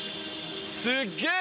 すっげぇ！